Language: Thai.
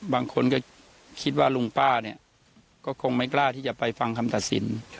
บางคนก็คิดว่าลุงป้าเนี่ยก็คงไม่กล้าที่จะไปฟังคำตัดสิน